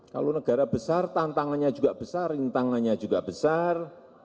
kalau negara besar tantangannya juga besar rintangannya juga besar